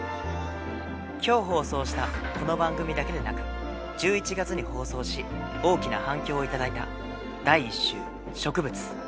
今日放送したこの番組だけでなく１１月に放送し大きな反響を頂いた「第１集植物」。